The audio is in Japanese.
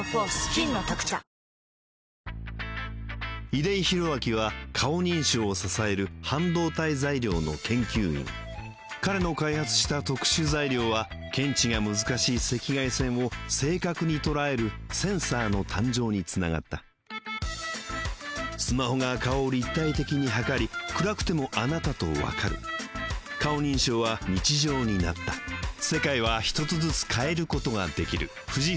出井宏明は顔認証を支える半導体材料の研究員彼の開発した特殊材料は検知が難しい赤外線を正確に捉えるセンサーの誕生につながったスマホが顔を立体的に測り暗くてもあなたとわかる顔認証は日常になった伊達ちゃん号